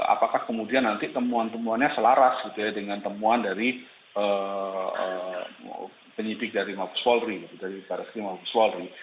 apakah kemudian nanti temuan temuannya selaras dengan temuan dari penyidik dari mabus wolri